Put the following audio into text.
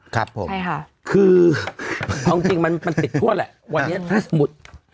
คือเอาจริงมันติดทั่วแหละวันนี้ถ้าสมุทร